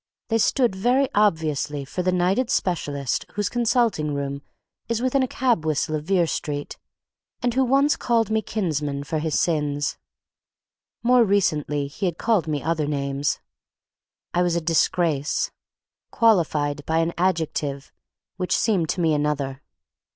They stood very obviously for the knighted specialist whose consulting room is within a cab whistle of Vere Street, and who once called me kinsman for his sins. More recently he had called me other names. I was a disgrace, qualified by an adjective which seemed to me another.